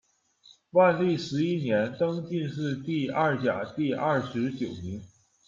万历十一年，登进士第二甲第二十九名。